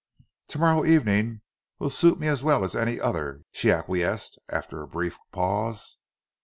"To morrow evening will suit me as well as any other," she acquiesced, after a brief pause.